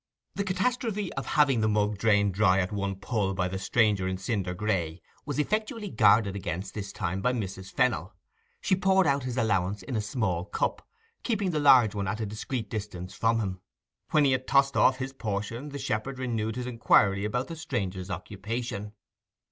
The catastrophe of having the mug drained dry at one pull by the stranger in cinder gray was effectually guarded against this time by Mrs. Fennel. She poured out his allowance in a small cup, keeping the large one at a discreet distance from him. When he had tossed off his portion the shepherd renewed his inquiry about the stranger's occupation.